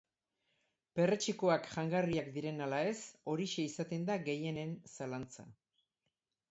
Perretxikoak jangarriak diren ala ez, horixe izaten da gehienen zalantza.